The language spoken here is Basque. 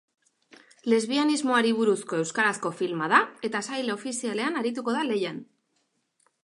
Lesbianismoari buruzko euskarazko filma da, eta sail ofizialean arituko da lehian.